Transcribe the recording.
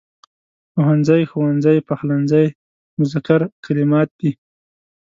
پوهنځی، ښوونځی، پخلنځی مذکر کلمات دي.